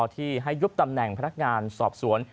ที่ให้ยุบตำแหน่งพนักงานสอบสวน